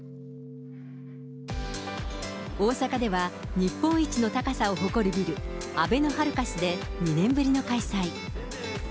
大阪では、日本一の高さを誇るビル、あべのハルカスで２年ぶりの開催。